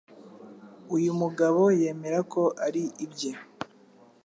uyu mugabo yemera ko ari ibye